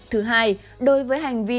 thứ hai đối với hành vi